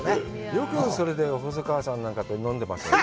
よくそれで細川さんなんかと飲んでますね。